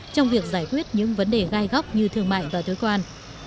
trong việc giải quyết những vấn đề gai góc như thương mại và thuế quan